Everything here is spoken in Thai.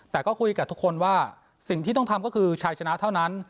แต่ก็คุยกับทุกคนว่าสิ่งที่ต้องทำก็คือชายชนะเท่านั้น